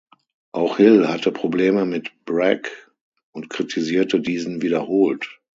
Auch Hill hatte Probleme mit Bragg und kritisierte diesen wiederholt.